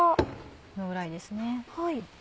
このぐらいですね。